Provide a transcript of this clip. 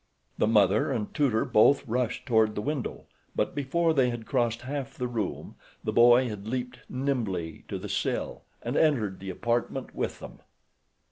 The mother and tutor both rushed toward the window but before they had crossed half the room the boy had leaped nimbly to the sill and entered the apartment with them.